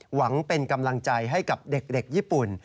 หวังเป็นกำลังใจให้กับเด็กญี่ปุ่น